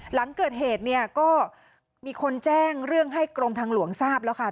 หลังเกิดเหตุเนี่ยก็มีคนแจ้งเรื่องให้กรมทางหลวงทราบแล้วค่ะ